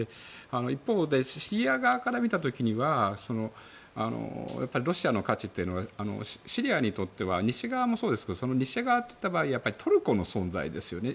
一方でシリア側から見た時にはロシアの価値というのはシリアにとってはその西側といった場合トルコの存在ですよね。